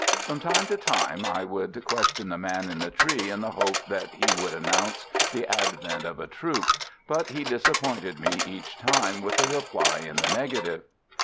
From time to time I would question the man in the tree in the hope that he would announce the advent of a troop; but he disappointed me each time with a reply in the negative.